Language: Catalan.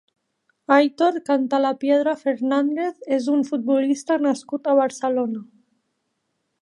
Aitor Cantalapiedra Fernández és un futbolista nascut a Barcelona.